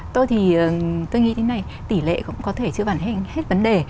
tôi thì tôi nghĩ thế này tỷ lệ cũng có thể chữa bản hết vấn đề